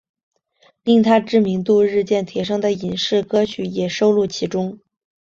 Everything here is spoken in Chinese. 令她知名度日渐提升的影视歌曲也收录其中。